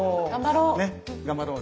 頑張ろう！